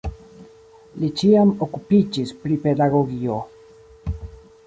Li ĉiam okupiĝis pri pedagogio.